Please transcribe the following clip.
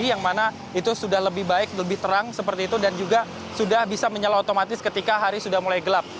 yang mana itu sudah lebih baik lebih terang seperti itu dan juga sudah bisa menyala otomatis ketika hari sudah mulai gelap